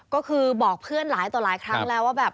ก็คือบอกเพื่อนหลายต่อหลายครั้งแล้วว่าแบบ